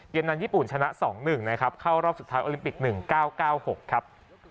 นั้นญี่ปุ่นชนะ๒๑นะครับเข้ารอบสุดท้ายโอลิมปิก๑๙๙๖ครับ